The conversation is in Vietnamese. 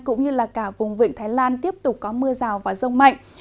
cũng như là cả vùng vịnh thái lan tiếp tục có mưa rào và rông mạnh